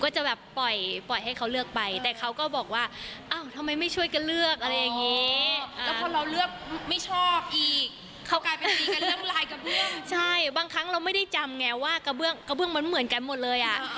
ใช่บางครั้งเราไม่ได้จำไงว่ากระเบื้องมันเหมือนกันหมดเลยอ่ะ